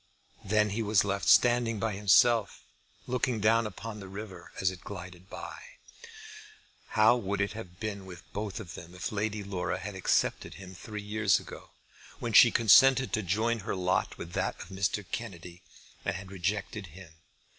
Then he was left standing by himself, looking down upon the river as it glided by. How would it have been with both of them if Lady Laura had accepted him three years ago, when she consented to join her lot with that of Mr. Kennedy, and had rejected him?